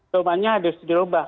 rumahnya harus diubah